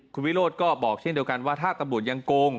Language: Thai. คุณวิโรธก็บอกเช่นเดียวกันว่าถ้าตำรวจยังโกง